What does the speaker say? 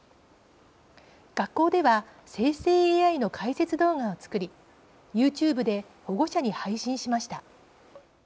学校では生成ＡＩの解説動画を作りＹｏｕＴｕｂｅで保護者に配信しました。